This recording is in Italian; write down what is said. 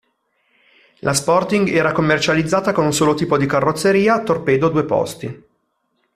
La Sporting era commercializzata con un solo tipo di carrozzeria, torpedo due posti.